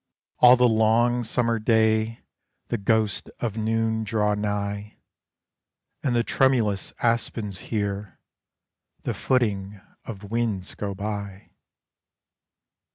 All the long summer day The ghosts of noon draw nigh, And the tremulous aspens hear The footing of winds go by.